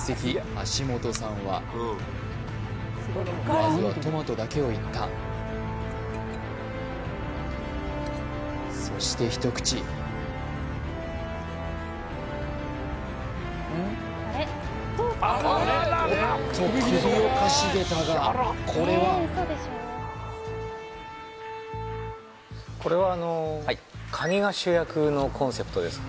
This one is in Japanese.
橋本さんはまずはトマトだけをいったそして一口おっと首をかしげたがこれはこれはカニが主役のコンセプトですか？